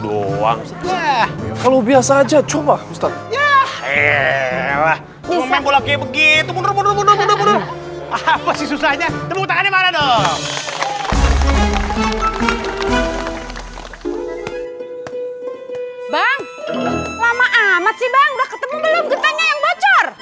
bang lama amat sih bang udah ketemu belum getanya yang bocor